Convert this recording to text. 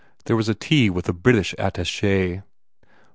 There was a tea with a British attache.